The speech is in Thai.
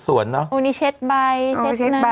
ตรงนี้เช็ดใบเช็ดน้ำ